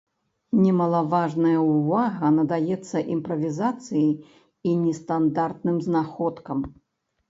Немалаважнае ўвага надаецца імправізацыі і нестандартным знаходкам.